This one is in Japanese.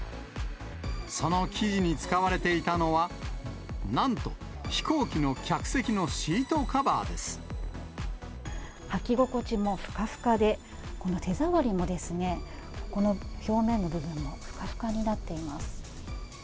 その生地に使われていたのは、なんと、飛行機の客席のシートカ履き心地もふかふかで、この手触りもですね、この表面の部分もふかふかになっています。